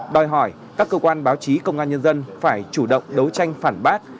đòi hỏi các cơ quan báo chí công an nhân dân phải chủ động đấu tranh phản bác